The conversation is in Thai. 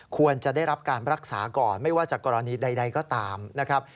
ควรจะได้รับการรักษาก่อนไม่ว่าจากกรณีใดก็ตามนะครับ